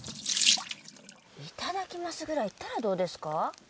いただきますぐらい言ったらどうですか？